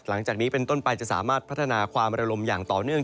หลังจากนี้เป็นต้นไปจะสามารถพัฒนาความระลมอย่างต่อเนื่อง